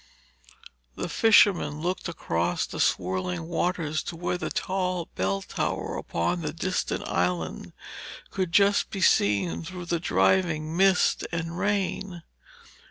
The fisherman looked across the swirling waters to where the tall bell tower upon the distant island could just be seen through the driving mist and rain.